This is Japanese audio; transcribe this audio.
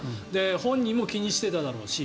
本人も気にしてただろうし。